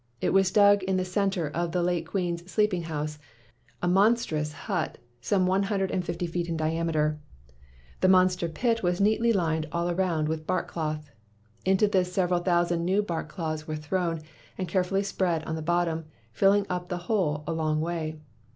It was dug in the center of the late queen's sleeping house — a mon strous hut some one hundred and fifty feet in diameter. The monster pit was neatly 186 MACKAY'S NEW NAME lined all round with bark cloth. Into this several thousand new bark cloths were thrown and carefully spread on the bottom filling up the hole a long way.